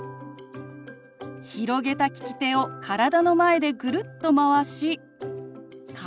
広げた利き手を体の前でぐるっとまわし「体」。